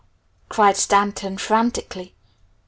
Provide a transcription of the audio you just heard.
cried Stanton frantically.